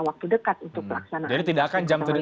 waktu dekat untuk pelaksanaan jadi tidak akan